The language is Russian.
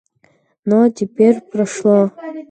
Но теперь прошло.